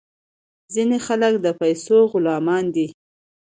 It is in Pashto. ځینې خلک د پیسو غلامان دي.